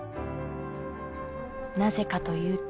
なぜかというと。